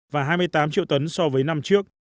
và hai mươi tám triệu tấn so với năm trước